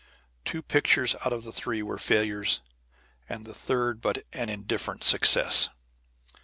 Two pictures out of the three were failures, and the third but an indifferent success.